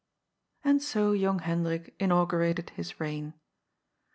And so young Hendrik inaugurated his reign.